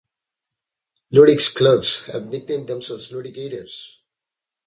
Luttig's clerks have nicknamed themselves "Luttigators".